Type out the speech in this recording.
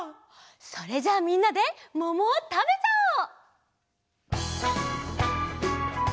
それじゃあみんなでももをたべちゃおう！